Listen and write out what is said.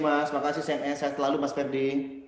mas terima kasih saya terlalu mas ferdi